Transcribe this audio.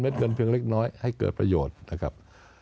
เงินเพียงเล็กน้อยให้เกิดประโยชน์นะครับ